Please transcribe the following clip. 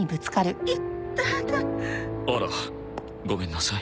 あらごめんなさい。